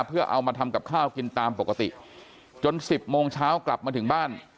เพื่อเอามาทำกับข้าวกินตามปกติจน๑๐โมงเช้ากลับมาถึงบ้าน